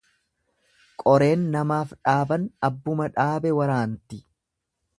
Qoreen namaaf dhaaban abbuma dhaabe waraanti.